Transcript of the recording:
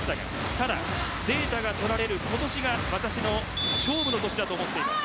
ただ、データが取られる今年が私の勝負の年だと思っています。